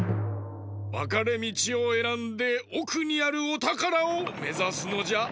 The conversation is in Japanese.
わかれみちをえらんでおくにあるおたからをめざすのじゃ。